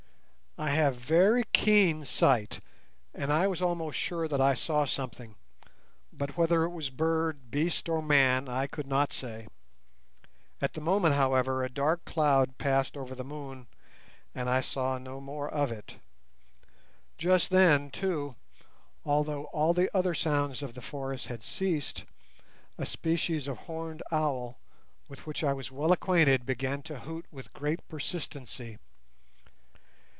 I have very keen sight, and I was almost sure that I saw something, but whether it was bird, beast, or man I could not say. At the moment, however, a dark cloud passed over the moon, and I saw no more of it. Just then, too, although all the other sounds of the forest had ceased, a species of horned owl with which I was well acquainted began to hoot with great persistency.